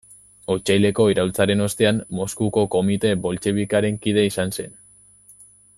Otsaileko iraultzaren ostean, Moskuko Komite Boltxebikearen kide izan zen.